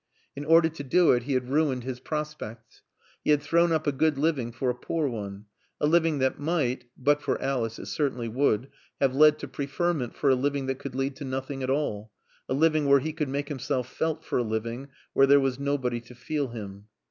In order to do it he had ruined his prospects. He had thrown up a good living for a poor one; a living that might (but for Alice it certainly would) have led to preferment for a living that could lead to nothing at all; a living where he could make himself felt for a living where there was nobody to feel him.